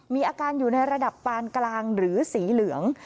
มีอาการอยู่ในระดับปานกลางหรือสีเหลือง